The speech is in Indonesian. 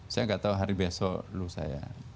saya gak tahu hari besok lho saya